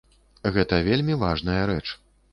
Гэта вельмі важная рэч.